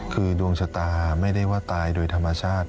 คือดวงชะตาไม่ได้ว่าตายโดยธรรมชาติ